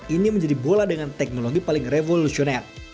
ini menjadi bola dengan teknologi paling revolusioner